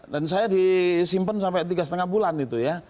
dan saya disimpan sampai tiga lima bulan itu ya